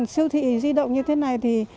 siêu thị lưu động như thế này thì